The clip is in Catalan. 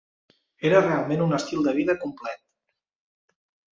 Era realment un estil de vida complet.